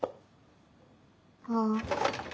ああ。